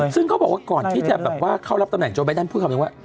ซึ่งเขาบอกว่าก่อนที่เข้ารับตำแหน่งโจร์แบตนพูดคำอย่างว่า